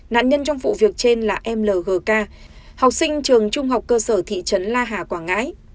nạn nhân trong vụ việc trên là mlk học sinh trường trung học cơ sở thị trấn la hà quảng ngãi